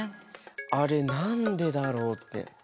あれ何でだろうって。